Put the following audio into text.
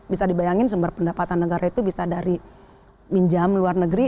bisa dibayangin sumber pendapatan negara itu bisa dari minjam luar negeri